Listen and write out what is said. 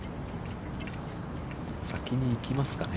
先に行きますかね。